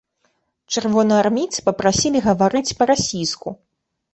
Чырвонаармейцы папрасілі гаварыць па-расійску.